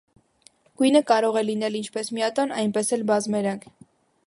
Գույնը կարող է լինել ինչպես միատոն, այնպես էլ բազմերանգ։